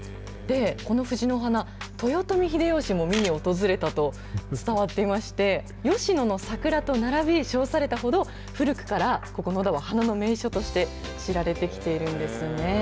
この藤の花、豊臣秀吉も見に訪れたと伝わっていまして、吉野の桜と並び、称されたほど、古くから、ここ野田は、花の名所として知られてきているんですね。